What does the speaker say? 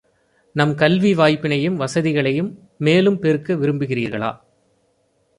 நம் கல்வி வாய்ப்பினையும் வசதிகளையும் மேலும் பெருக்க விரும்புகிறீர்களா?